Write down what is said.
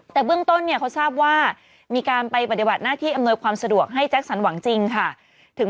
แต่เบื้องต้นเนี่ยเขาทราบว่ามีการไปปฏิบัติหน้าที่อำนวยความสะดวกให้แจ็คสันหวังจริงค่ะ